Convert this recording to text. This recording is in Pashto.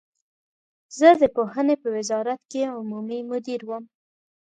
زه د پوهنې په وزارت کې عمومي مدیر وم.